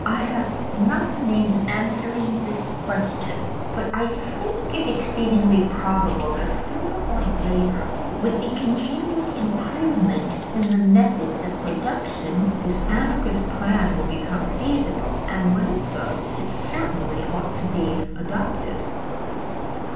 I have not the means of answering this question, but I think it exceedingly probable that, sooner or later, with the continued improvement in the methods of production, this Anarchist plan will become feasible; and when it does, it certainly ought to be adopted.